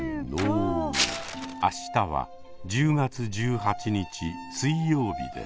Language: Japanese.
明日は１０月１８日水曜日です。